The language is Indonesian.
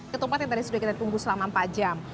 ketupat yang tadi sudah kita tunggu selama empat jam